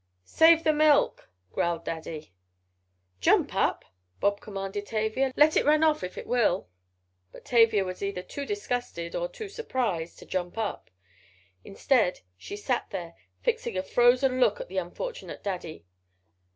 "Save the milk," growled Daddy. "Jump up!" Bob commanded Tavia. "Let it run off if it will." But Tavia was either too disgusted, or too surprised, to "jump up." Instead she sat there, fixing a frozen look at the unfortunate Daddy.